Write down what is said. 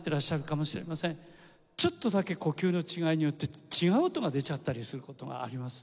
ちょっとだけ呼吸の違いによって違う音が出ちゃったりする事があります。